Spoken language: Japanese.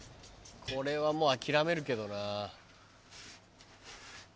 これはもう諦めるけどな。